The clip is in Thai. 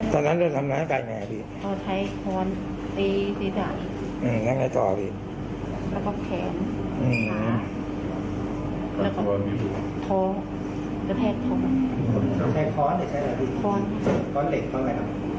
ใต้ด้ามทิ้งชีวิตผู้ไทยใช่ไหม